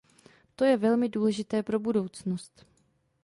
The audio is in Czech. To je velmi důležité pro budoucnost.